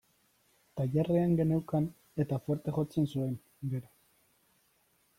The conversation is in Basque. Tailerrean geneukan, eta fuerte jotzen zuen, gero.